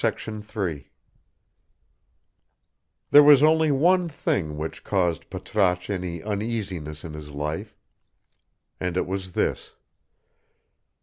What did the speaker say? There was only one thing which caused Patrasche any uneasiness in his life, and it was this.